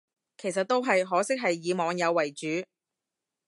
其實都係，可惜係以網友為主